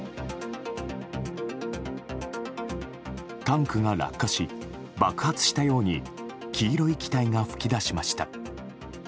タンクが落下し、爆発したように黄色い気体が噴き出しました。